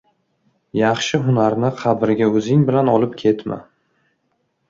• Yaxshi hunarni qabrga o‘zing bilan olib ketma.